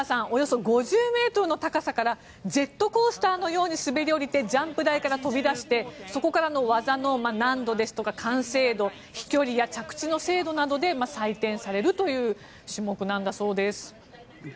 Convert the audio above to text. およそ５０ｍの高さからジェットコースターのように滑り降りてジャンプ台から飛び出してそこからの技の難度ですとか完成度、飛距離着地の精度などで採点されるという種目なんだそうです。